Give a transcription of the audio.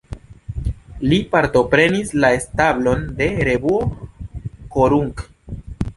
Li partoprenis la establon de revuo "Korunk".